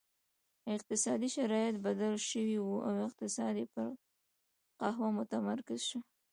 اقتصادي شرایط بدل شوي وو او اقتصاد یې پر قهوه متمرکز شو.